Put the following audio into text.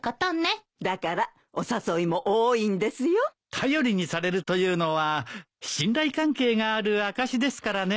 頼りにされるというのは信頼関係がある証しですからね。